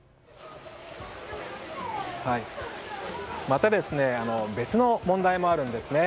また、別の問題もあるんですね。